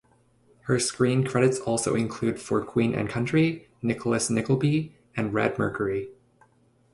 Her screen credits also include "For Queen and Country", "Nicholas Nickleby", and "Red Mercury".